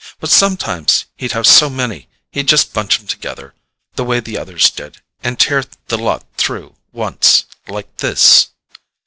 But sometimes he'd have so many he'd just bunch 'em together, the way the others did, and tear the lot through once—like this."